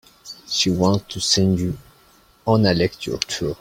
She wants to send you on a lecture tour.